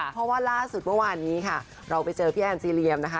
เพราะว่าล่าสุดเมื่อวานนี้ค่ะเราไปเจอพี่แอนซีเรียมนะคะ